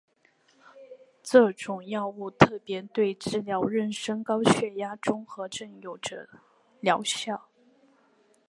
这种药物特别对治疗妊娠高血压综合征有着疗效。